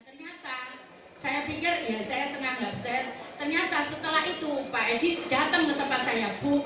ternyata saya pikir ya saya sengaja ternyata setelah itu pak edi datang ke tempat saya bu